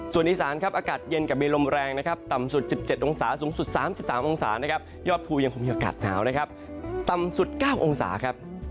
ส่วนอีสานครับอากาศเย็นกับมีลมแรงนะครับต่ำสุด๑๗องศาสูงสุด๓๓องศานะครับยอดภูยังคงมีอากาศหนาวนะครับต่ำสุด๙องศาครับ